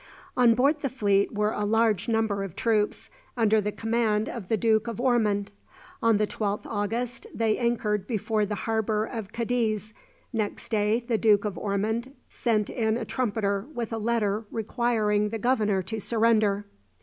On board the fleet were a large number of troops, under the command of the Duke of Ormond. On the 12th August they anchored before the harbour of Cadiz next day the Duke of Ormond sent in a trumpeter with a letter requiring the governor to surrender.